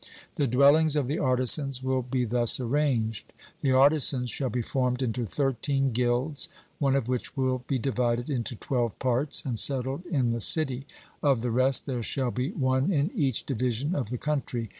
The dwellings of the artisans will be thus arranged: The artisans shall be formed into thirteen guilds, one of which will be divided into twelve parts and settled in the city; of the rest there shall be one in each division of the country.